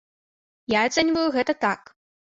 Я ацэньваю гэта так.